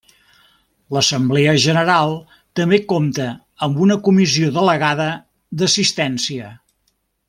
L'Assemblea general també compta amb una comissió delegada d'assistència.